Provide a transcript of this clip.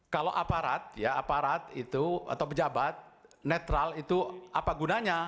kalau aparat ya aparat itu atau pejabat netral itu apa gunanya